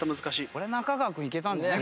これ中川君いけたんじゃない？